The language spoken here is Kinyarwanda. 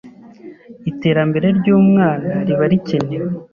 ’iterambere ry’umwana riba rikenewe